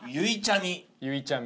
「ゆいちゃみ」